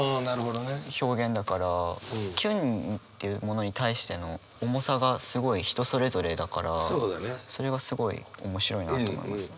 キュンというものに対しての重さがすごい人それぞれだからそれがすごい面白いなと思います。